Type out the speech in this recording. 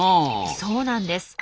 そうなんです。